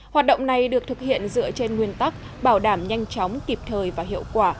hoạt động này được thực hiện dựa trên nguyên tắc bảo đảm nhanh chóng kịp thời và hiệu quả